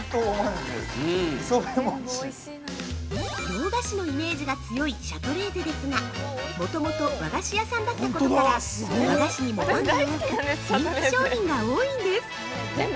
洋菓子のイメージが強いシャトレーゼですがもともと和菓子屋さんだったことから和菓子にもファンが多く人気商品が多いんです。